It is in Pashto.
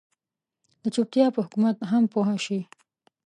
د چوپتيا په حکمت هم پوه شي.